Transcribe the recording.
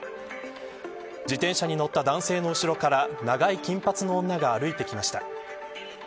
自転車に乗った男性の後ろから長い金髪の女が歩いてきました。